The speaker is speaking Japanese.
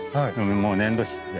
もう粘土質で。